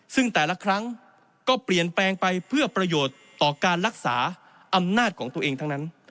ซึ่งแต่ละครั้งก็เปลี่ยนแปลงไปเพื่อประโยชน์ต่อการรักษาอำนาจของตัวเองทั้งนั้น